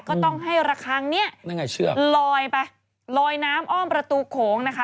ก็ต้องให้ระคังนี่ลอยไปลอยน้ำอ้อมประตูโขงนะคะ